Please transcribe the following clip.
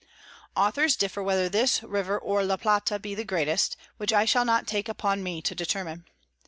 Authors differ whether this River or La Plata be the greatest, which I shall not take upon me to determine.